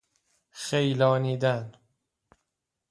خیلانیدن